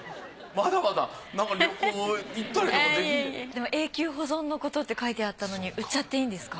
でも永久保存のことって書いてあったのに売っちゃっていいんですか？